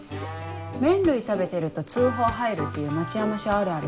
麺類食べてると通報入るっていう「町山署あるある」